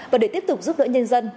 và để tiếp tục giúp đỡ nhân dân